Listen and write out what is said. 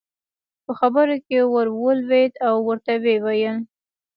په خبرو کې ور ولوېد او ورته ویې وویل.